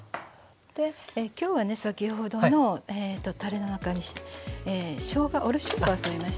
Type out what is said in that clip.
きょうはね先ほどのたれの中にしょうがおろししょうがを添えました。